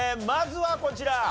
まずはこちら。